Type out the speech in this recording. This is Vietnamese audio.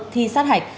thi sát hạch